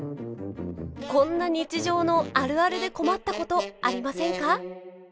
こんな日常のあるあるで困ったことありませんか？